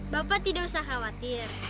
bapak tidak usah khawatir